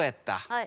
はい。